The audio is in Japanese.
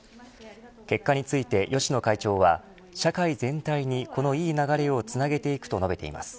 結果について芳野会長は社会全体に、このいい流れをつなげていくと述べています。